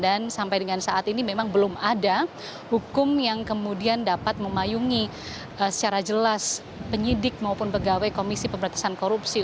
dan sampai dengan saat ini memang belum ada hukum yang kemudian dapat memayungi secara jelas penyidik maupun pegawai komisi pemberantasan korupsi